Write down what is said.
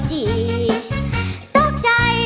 เพลงเก่งของคุณครับ